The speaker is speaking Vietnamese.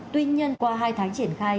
tuy nhiên qua hai tháng triển khai